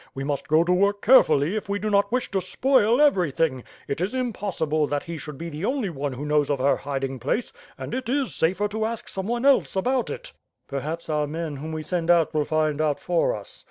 We must go to work carefully, if we do not wish to spoil everything. It is impossible that he should be the only one who knows of her hiding place, and it is safer to ask some one else about it." "Perhaps our men whom we send out will find out for us.